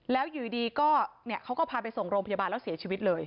แล้วอยู่ดีก็เขาก็พาไปส่งโรงพยาบาลแล้วเสียชีวิตเลย